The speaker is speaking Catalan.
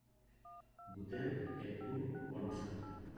Votem el punt onze.